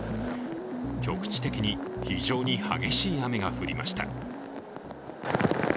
局地的に非常に激しい雨が降りました。